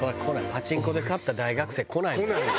パチンコで勝った大学生来ないもん。